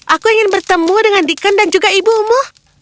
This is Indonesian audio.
aku ingin bertemu dengan deacon dan juga ibumu